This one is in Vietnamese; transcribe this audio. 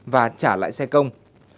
và trả lại xe công